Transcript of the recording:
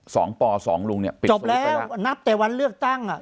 ปอสองลุงเนี่ยปิดจบแล้วนับแต่วันเลือกตั้งอ่ะ